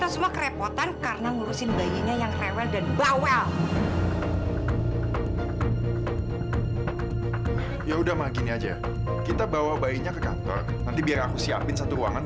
sampai jumpa di video selanjutnya